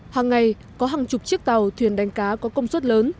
hàng ngày có hàng chục chiếc tàu thuyền đánh cá có công suất lớn